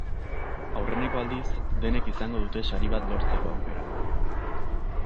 Aurreneko aldiz, denek izango dute sari bat lortzeko aukera.